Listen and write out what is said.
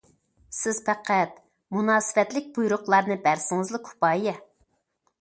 سىز پەقەت مۇناسىۋەتلىك بۇيرۇقلارنى بەرسىڭىزلا كۇپايە.